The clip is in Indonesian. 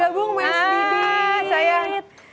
aduh gabung gabung mes didit